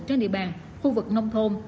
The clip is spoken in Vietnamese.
trên địa bàn khu vực nông thôn